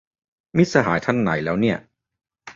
มิตรสหายท่านไหนแล้วเนี่ย